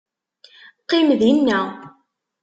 Qqim dinna.